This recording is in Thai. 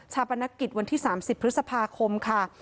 ปนกิจวันที่๓๐พฤษภาคมค่ะ